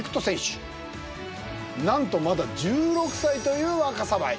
なんとまだ１６歳という若さばい。